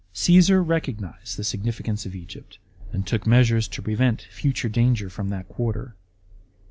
Caesar recognised the significance of Egypt, and took measures to prevent future danger from that quarter.